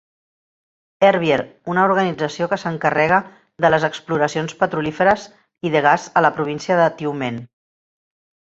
Ervier, una organització que s'encarrega de les exploracions petrolíferes i de gas a la província de Tiumén.